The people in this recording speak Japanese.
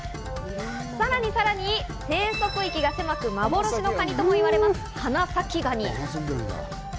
さらにさらに、生息域が狭く幻のカニともいわれる花咲ガニ。